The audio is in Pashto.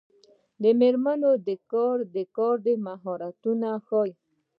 د میرمنو کار د کار مهارتونه ورښيي.